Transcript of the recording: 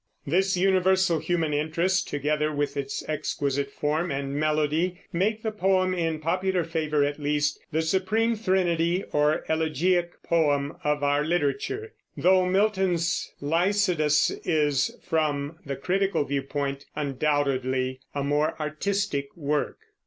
This universal human interest, together with its exquisite form and melody, makes the poem, in popular favor at least, the supreme threnody, or elegiac poem, of our literature; though Milton's Lycidas is, from the critical view point, undoubtedly a more artistic work.